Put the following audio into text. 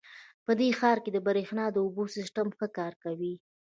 په دې ښار کې د بریښنا او اوبو سیسټم ښه کار کوي